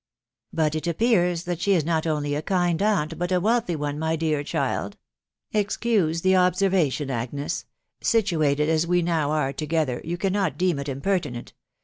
'*" But it appears that she is not only a kind aunt, but a wealthy one, my dear child. ... Excuse the observation Agnes, .... situated as we now are together, you eanaet deem it impertinent